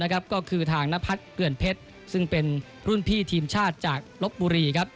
ก็คือทางนพัฒน์เกลือนเพชรซึ่งเป็นรุ่นพี่ทีมชาติจากลบบุรี